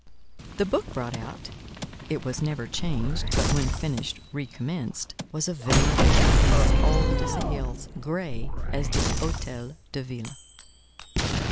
The book brought out (it was never changed, but when finished, recommenced) was a venerable volume, old as the hills—grey as the Hôtel de Ville.